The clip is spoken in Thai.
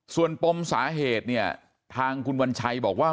ส่วนปมสาเหตุเนี่ยทางคุณวัญชัยบอกว่า